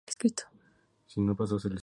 Su capital es la ciudad de Teramo.